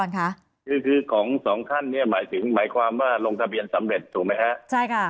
คือกองสองท่านเนี่ยหมายความว่าลงทะเบียนสำเร็จถูกไหมคะ